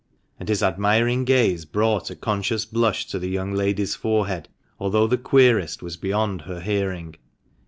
And his admiring gaze brought a conscious blush to the young lady's forehead, although the querist was beyond her hearing.